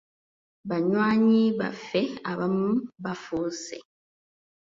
Banywanyi baffe abamu bafuuse.